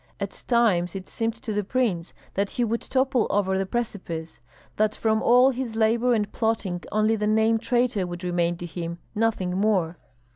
At times it seemed to the prince that he would topple over the precipice; that from all his labor and plotting only the name traitor would remain to him, nothing more.